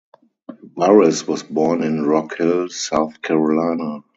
Burris was born in Rock Hill, South Carolina.